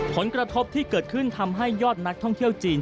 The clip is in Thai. ผลกระทบที่เกิดขึ้นทำให้ยอดนักท่องเที่ยวจีน